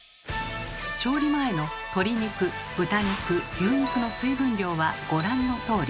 調理前の鶏肉豚肉牛肉の水分量はご覧のとおり。